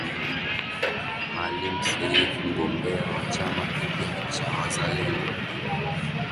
Maalim Seif mgombea wa chama kipya cha Wazalendo